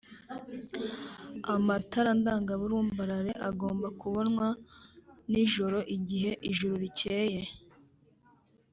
amatara ndanga burumbarare agomba kubonwa n ijoro igihe ijuru rikeye